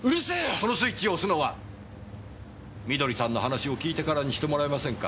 そのスイッチを押すのは美登里さんの話を聞いてからにしてもらえませんか。